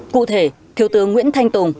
cụ thể thiếu tướng nguyễn thanh tùng